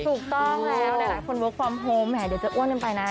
ถูกต้องแล้วหลายคนเวิร์คความโฮมแหเดี๋ยวจะอ้วนกันไปนะ